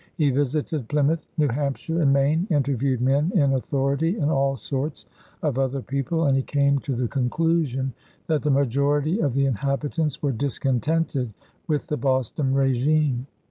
He visited Plymouth, New Hampshire, and Maine, interviewed men in authority and all sorts of other people, and he came to the conclusion that the majority of the inhabitants were discontented with the Boston régime.